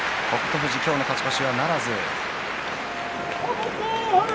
富士、今日の勝ち越しはならず。